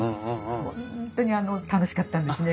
本当に楽しかったんですね。